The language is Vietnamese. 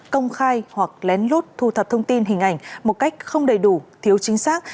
công khai hoặc lén lút thu thập thông tin hình ảnh một cách không đầy đủ thiếu chính xác